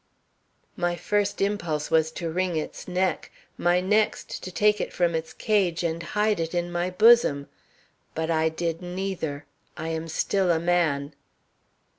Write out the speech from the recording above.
My first impulse was to wring its neck, my next to take it from its cage and hide it in my bosom. But I did neither. I am still a man.